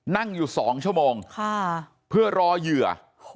นั่งอยู่๒ชั่วโมงเพื่อรอเหยื่อ